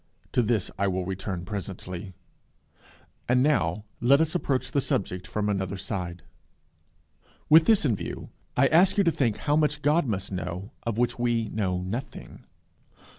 To this I will return presently. And now, let us approach the subject from another side. With this in view, I ask you to think how much God must know of which we know nothing.